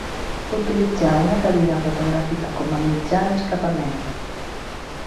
Utilitzar una cabina fotogràfica com a mitjà d'escapament.